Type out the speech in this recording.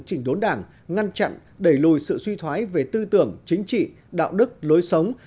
chỉnh đốn đảng ngăn chặn đẩy lùi sự suy thoái về tư tưởng chính trị đạo đức lối sống